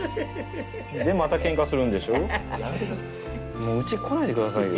もううち来ないでくださいよ。